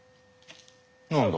何だ？